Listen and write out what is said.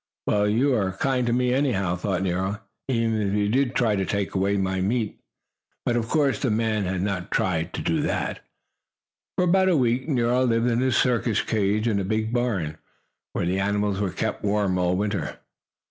"Well, you are kind to me, anyhow," thought Nero, "even if you did try to take away my bone," but of course the man had not tried to do that. For about a week Nero lived in his circus cage in the big barn, where the animals were kept warm all winter.